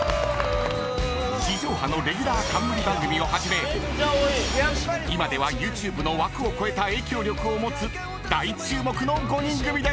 ［地上波のレギュラー冠番組をはじめ今ではＹｏｕＴｕｂｅの枠を超えた影響力を持つ大注目の５人組です］